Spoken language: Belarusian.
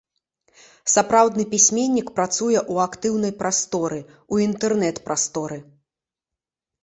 Сапраўдны пісьменнік працуе ў актыўнай прасторы, у інтэрнэт-прасторы.